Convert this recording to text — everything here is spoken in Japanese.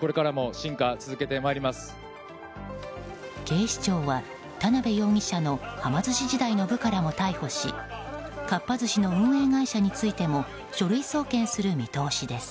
警視庁は田辺容疑者のはま寿司時代の部下らも逮捕しかっぱ寿司の運営会社についても書類送検する見通しです。